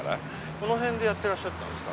この辺でやってらっしゃったんですか？